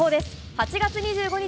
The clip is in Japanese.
８月２５日